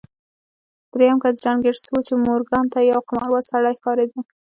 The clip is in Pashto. درېيم کس جان ګيټس و چې مورګان ته يو قمارباز سړی ښکارېده.